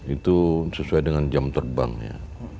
itu sesuai dengan jam terbang ya